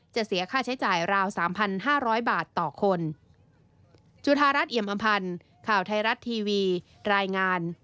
เสียค่าใช้จ่ายราว๓๕๐๐บาทต่อคน